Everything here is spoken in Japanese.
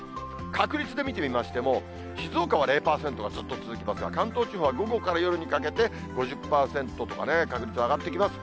確率で見てみましても、静岡は０％がずっと続きますが、関東地方は午後から夜にかけて５０％とかね、確率、上がってきます。